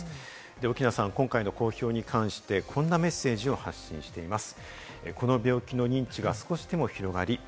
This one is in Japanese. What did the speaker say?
奥菜さん、今回の公表に関して、こんなメッセージを発信しています。